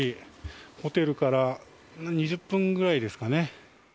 ホテルから２０分ぐらいですかね。